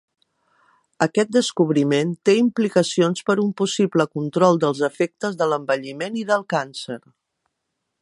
Aquest descobriment té implicacions per un possible control dels efectes de l'envelliment i del càncer.